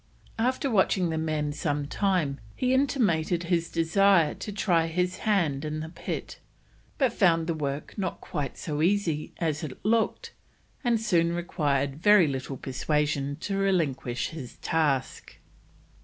After watching the men some time, he intimated his desire to try his hand in the pit, but found the work not quite so easy as it looked, and soon required very little persuasion to relinquish his task.